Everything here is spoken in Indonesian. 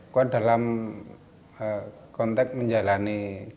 kuat dalam konteks menjalani